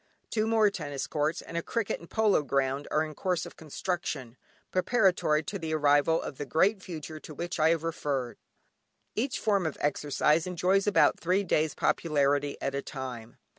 Two more tennis courts, and a cricket and polo ground are in course of construction, preparatory to the arrival of the Great Future to which I have referred. Each form of exercise enjoys about three days popularity at a time.